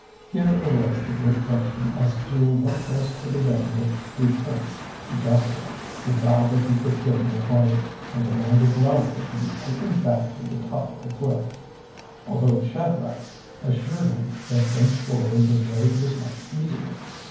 Here arose the great question as to what was to be done with the Prince Joshua, who vowed that he could go no farther, and demanded loudly to be taken back to the top of the cliff, although Shadrach assured him that thenceforward the road was much easier.